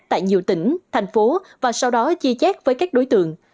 tại nhiều tỉnh thành phố và sau đó chia chép với các đối tượng